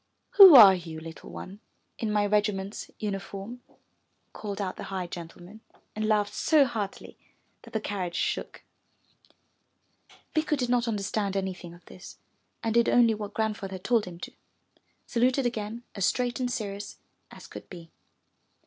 *'Who are you, little one, in my regiment's uniform?'' called out the high gentleman and laughed so heartily that the carriage shook. 405 MY BOOK HOUSE Bikku did not understand anything of this and did only what Grandfather had told him to, saluted again as straight and serious as could be.